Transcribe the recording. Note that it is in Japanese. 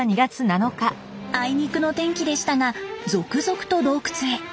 あいにくの天気でしたが続々と洞窟へ。